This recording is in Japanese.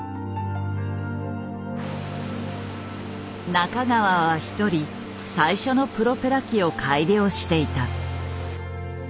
中川は一人最初のプロペラ機を改良していた。